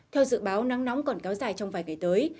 theo dự báo nắng nóng còn kéo dài trong vài ngày tới